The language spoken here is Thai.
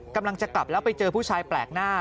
กำลังจะกลับแล้วไปเจอผู้ชายแปลกหน้า